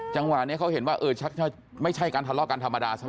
จังหวะนี้เขาเห็นว่าเออชักไม่ใช่การทะเลาะกันธรรมดาใช่ไหม